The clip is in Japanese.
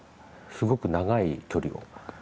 すごく長い距離を。